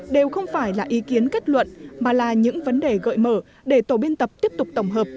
đều không phải là ý kiến kết luận mà là những vấn đề gợi mở để tổ biên tập tiếp tục tổng hợp